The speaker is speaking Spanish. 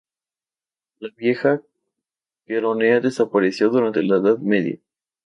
La vieja Queronea desapareció durante la Edad Media.